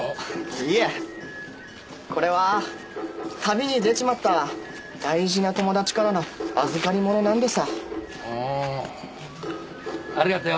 いえこれは旅に出ちまった大事な友達からの預かり物なんでさぁあぁありがとよ